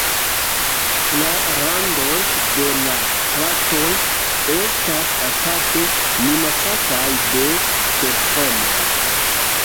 La randoj de la platoj estas aparte minacataj de tertremoj.